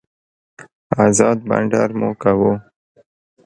ازاد بانډار مو کاوه.